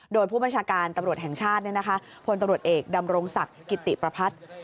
โดยผู้บัญชาการตำรวจแห่งชาติพลตำรวจเอกดำรงศักดิ์กิติประพัฒน์